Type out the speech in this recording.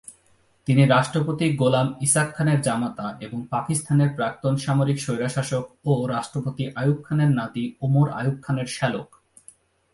তিনি রাষ্ট্রপতি গোলাম ইসহাক খানের জামাতা এবং পাকিস্তানের প্রাক্তন সামরিক স্বৈরশাসক ও রাষ্ট্রপতি আইয়ুব খানের নাতি ওমর আইয়ুব খানের শ্যালক।